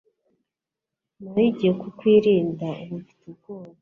Nahigiye kukwirinda Ubu mfite ubwoba